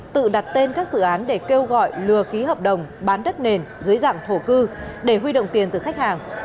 tự đặt tên các dự án để kêu gọi lừa ký hợp đồng bán đất nền dưới dạng thổ cư để huy động tiền từ khách hàng